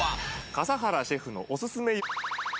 笠原シェフのおすすめ。